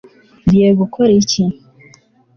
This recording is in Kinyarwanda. ngiye gukora iki